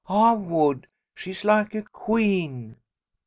I would. She's like a queen."